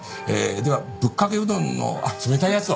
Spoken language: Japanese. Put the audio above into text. ではぶっかけうどんの冷たいやつを。